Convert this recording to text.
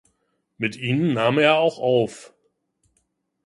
Mit ihnen nahm er auch auf.